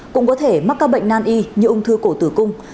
cũng có thể mắc các bệnh nan y như ung thư cổ tử cung